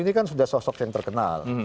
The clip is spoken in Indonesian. ini kan sudah sosok yang terkenal